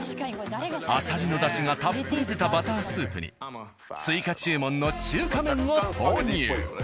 あさりのだしがたっぷり出たバタースープに追加注文の中華麺を投入。